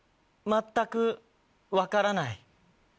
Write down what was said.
全く分からない。